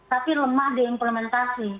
tapi lemah diimplementasi